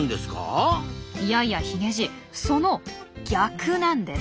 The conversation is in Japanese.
いやいやヒゲじいその逆なんです。